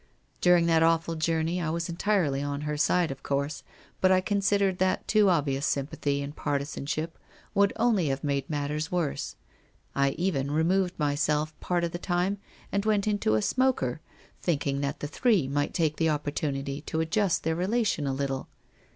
During that awful journey, I was entirely on her side, of course, but I considered that too obvious sympathy and partisanship would only have made matters worse. I even removed myself part of the time and went into a smoker, thinking that the three might take the opportunity to adjust their relation a little.